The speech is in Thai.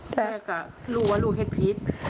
แต่ก็รู้ว่าลูกเห็นผิด